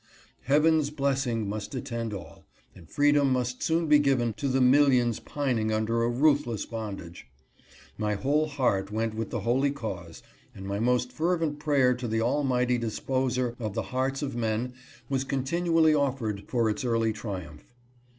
Heaven's blessing must attend all, and freedom must soon be given to the millions pining under a ruthless bondage. My whole heart went with the holy cause, and my most fervent prayer to the Almighty Disposer of the hearts of men was continually offered for its early triumph.